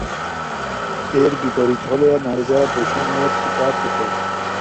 এর বিপরীত হলে নারীরা বৈষম্যের শিকার হতো।